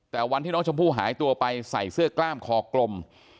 แต่วันที่น้องชมพู่หายตัวไปใส่เสื้อกล้ามคอกลม